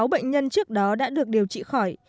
một mươi sáu bệnh nhân trước đó đã được điều trị khỏi